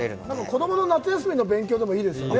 子供の夏休みの勉強でもいいですね。